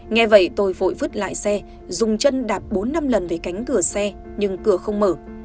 nghe vậy tôi vội vứt lại xe dùng chân đạp bốn năm lần về cánh cửa xe nhưng cửa không mở